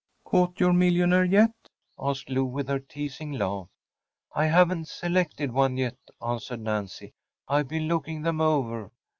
‚ÄĚ “Caught your millionaire yet?‚ÄĚ asked Lou with her teasing laugh. “I haven’t selected one yet,‚ÄĚ answered Nancy. “I’ve been looking them over.